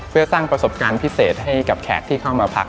เพื่อสร้างประสบการณ์พิเศษให้กับแขกที่เข้ามาพัก